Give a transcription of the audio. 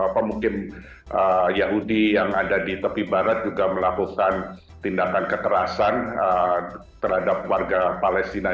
pemukim yahudi yang ada di tepi barat juga melakukan tindakan kekerasan terhadap warga palestina